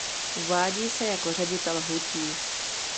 Uvádí se jako ředitel hutí.